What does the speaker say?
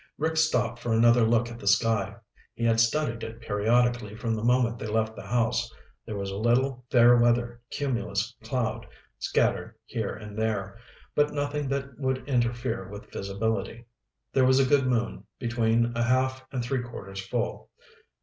Rick stopped for another look at the sky. He had studied it periodically from the moment they left the house. There was a little fair weather cumulus cloud scattered here and there, but nothing that would interfere with visibility. There was a good moon, between a half and three quarters full.